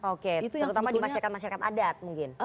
oke terutama di masyarakat masyarakat adat mungkin